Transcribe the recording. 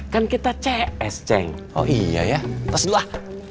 kan kita cs ceng oh iya ya tes dulu ah